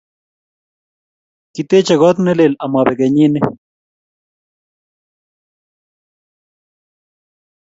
Kiteche kot ne lel ama pek kenyini